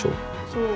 そう。